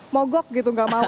mogok gitu gak mau